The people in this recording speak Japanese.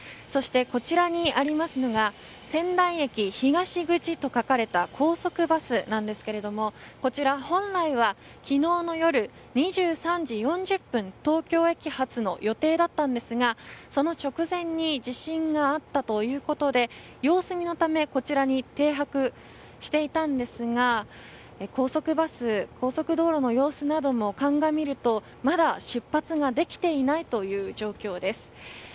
そして、こちらにあるのが仙台駅東口と書かれた高速バスなんですがこちら、本来は昨日の夜２３時４０分東京駅発の予定だったんですがその直前に地震があったということで様子見のためこちらに停泊していたのですが高速バス、高速道路の様子なども鑑みるとまだ出発ができていないという状況です。